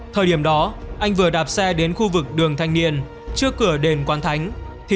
thời điểm đó anh vừa đạp xe đến khu vực đường thanh niên trước cửa đền quán thánh